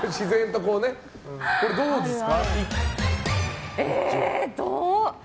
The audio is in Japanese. これ、どうですか？